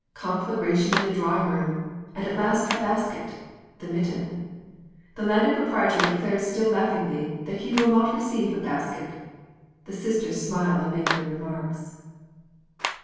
"conflagration in the drawing room" and at last "a basket" ["the mitten"]. The Landed Proprietor declares still laughingly that he will not receive "a basket." The sisters smile and make their remarks.